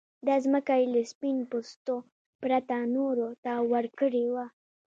دا ځمکه يې له سپين پوستو پرته نورو ته ورکړې وه.